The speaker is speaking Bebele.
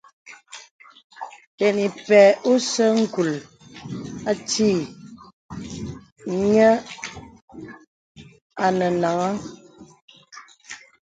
Tɛn ìpēy osə̀ ngùl nti yə̀ à anɛ̄nàŋ.